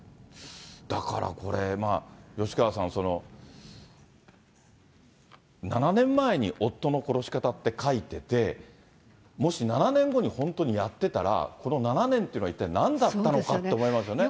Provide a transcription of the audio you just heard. だからこれ、吉川さん、７年前に夫の殺し方って書いてて、もし７年後に本当にやってたら、この７年っていうのは、一体なんだったのかって思いますよね。